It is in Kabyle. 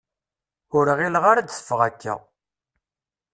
Ur ɣileɣ ara ad d-teffeɣ akka.